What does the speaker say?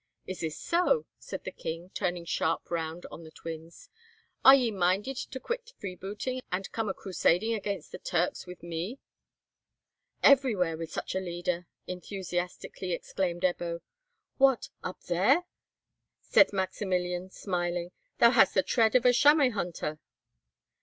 "Is this so?" said the king, turning sharp round on the twins. "Are ye minded to quit freebooting, and come a crusading against the Turks with me?" "Everywhere with such a leader!" enthusiastically exclaimed Ebbo. "What? up there?" said Maximilian, smiling. "Thou hast the tread of a chamois hunter."